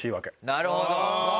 なるほど。